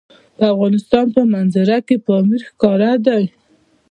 د افغانستان په منظره کې پامیر ښکاره ده.